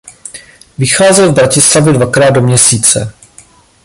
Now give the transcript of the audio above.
Vycházel v Bratislavě dvakrát do měsíce.